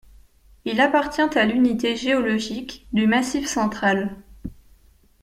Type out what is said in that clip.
Il appartient à l'unité géologique du Massif central.